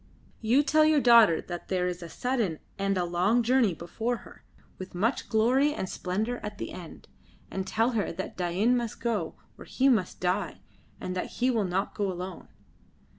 You tell your daughter that there is a sudden and a long journey before her, with much glory and splendour at the end. And tell her that Dain must go, or he must die, and that he will not go alone."